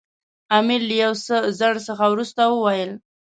امیر له یو څه ځنډ څخه وروسته وویل.